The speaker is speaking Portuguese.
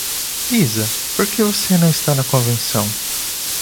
Lisa? porque você não está na convenção?